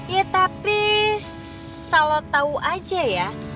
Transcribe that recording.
ya tapi salah tahu aja ya